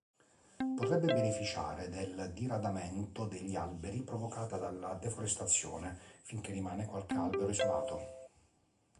Potrebbe beneficiare del diradamento degli alberi provocata dalla deforestazione, finché rimane qualche albero isolato.